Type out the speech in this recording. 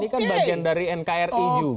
ini kan bagian dari nkri juga